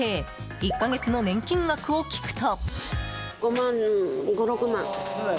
１か月の年金額を聞くと。